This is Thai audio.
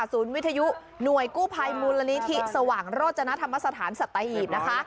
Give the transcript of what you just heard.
วิทยุหน่วยกู้ภัยมูลนิธิสว่างโรจนธรรมสถานสัตหีบนะคะ